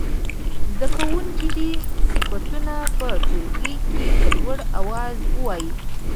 زده کوونکي دې صفتونه په ټولګي کې په لوړ اواز ووايي.